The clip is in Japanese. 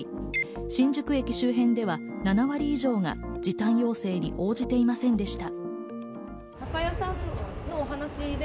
新宿駅周辺では７割以上が時短要請に応じていませんでした。